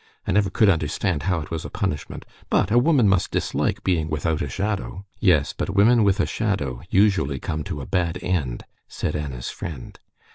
I never could understand how it was a punishment. But a woman must dislike being without a shadow." "Yes, but women with a shadow usually come to a bad end," said Anna's friend.